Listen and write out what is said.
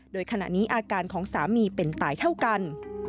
โดยขณะนี้อาการของสามีเป็นตายเท่ากัน